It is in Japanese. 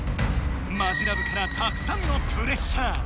マヂラブからたくさんのプレッシャー！